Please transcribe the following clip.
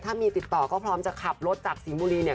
ถ้ามีติดต่อก็พร้อมจะขับรถจากสิงห์บุรีเนี่ย